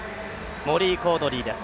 モリー・コードリーです。